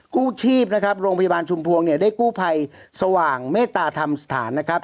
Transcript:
กู้ชีพโรงพยาบาลชุมพวงได้กู้ภัยสว่างเมตตาธรรมสถานนะครับ